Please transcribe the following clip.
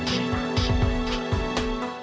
taruh di depan